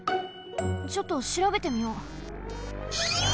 ちょっとしらべてみよう。